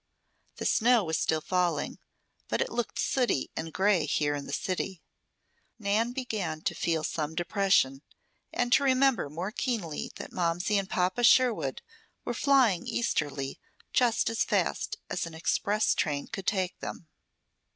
The snow was still falling, but it looked sooty and gray here in the city. Nan began to feel some depression, and to remember more keenly that Momsey and Papa Sherwood were flying easterly just as fast as an express train could take them.